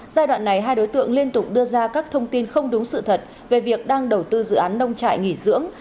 giai đoạn này hai đối tượng liên tục đưa ra các thông tin không đúng sự thật về việc đang đầu tư dự án nông trại nghỉ dưỡng